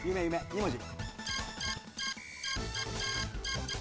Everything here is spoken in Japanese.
２文字。